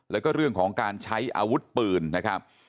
แล้วก็เรื่องของการใช้อาวุธปืนนะครับ